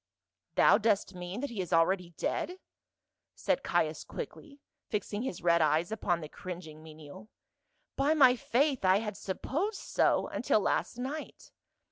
"Thou dost mean that he is already dead?" said Caius quickly, fixing his red eyes upon the cringing menial. " By my faith, I had supposed so, until last night.